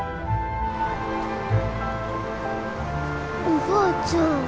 おばあちゃん。